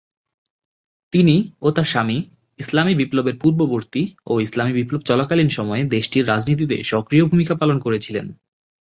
তিনি ও তার স্বামী ইসলামি বিপ্লবের পূর্ববর্তী ও ইসলামি বিপ্লব চলাকালীন সময়ে দেশটির রাজনীতিতে সক্রিয় ভূমিকা পালন করেছিলেন।